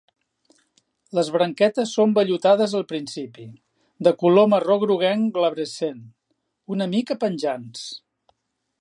Les branquetes són vellutades al principi, de color marró groguenc glabrescent, una mica penjants.